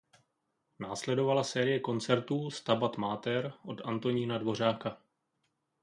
Následovala série koncertů "Stabat Mater" od Antonína Dvořáka.